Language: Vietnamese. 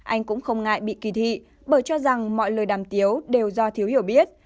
anh cũng không ngại bị kỳ thị bởi cho rằng mọi lời đàm tếu đều do thiếu hiểu biết